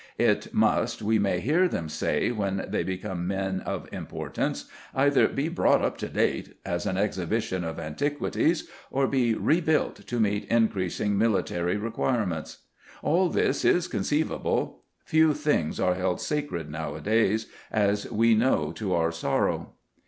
It must, we may hear them say when they become men of importance, either be brought up to date as an exhibition of antiquities, or be rebuilt to meet increasing military requirements. All this is conceivable; few things are held sacred nowadays, as we know to our sorrow.